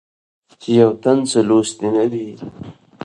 چې يو تن څۀ لوستي نۀ وي